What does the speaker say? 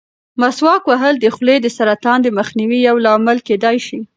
مسواک وهل د خولې د سرطان د مخنیوي یو لامل کېدای شي.